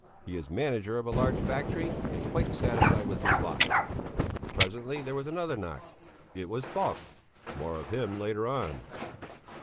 He is manager of a large factory and quite satisfied with his lot. Presently there was another knock. It was Falk. (More of him later on.)